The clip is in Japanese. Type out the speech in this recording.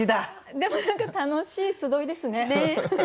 でも何か楽しい集いですね。